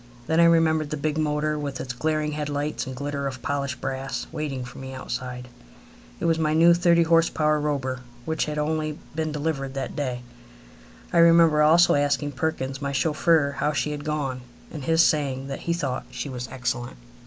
Then I remember the big motor, with its glaring head lights and glitter of polished brass, waiting for me outside. It was my new thirty horse power Robur, which had only been delivered that day. I remember also asking Perkins, my chauffeur, how she had gone, and his saying that he thought she was excellent.